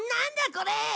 これ！